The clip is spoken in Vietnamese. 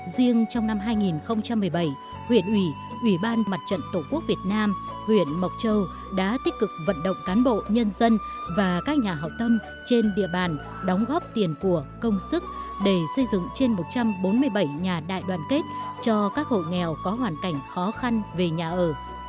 riêng trong năm hai nghìn một mươi bảy huyện ủy ủy ban mặt trận tổ quốc việt nam huyện mộc châu đã tích cực vận động cán bộ nhân dân và các nhà hậu tâm trên địa bàn đóng góp tiền của công sức để xây dựng trên một trăm bốn mươi bảy nhà đại đoàn kết cho các hộ nghèo có hoàn cảnh khó khăn về nhà ở